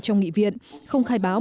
trong nghị viện không khai báo